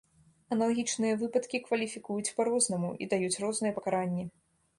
Аналагічныя выпадкі кваліфікуюць па-рознаму і даюць розныя пакаранні.